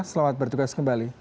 selamat bertugas kembali